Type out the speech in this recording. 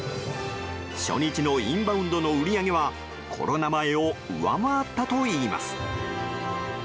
初日のインバウンドの売り上げはコロナ前を上回ったといいます。